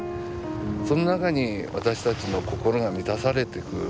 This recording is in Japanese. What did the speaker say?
その中に私たちの心が満たされていく。